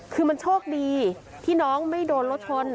คือมันโชคดีที่น้องไม่โดนรถชน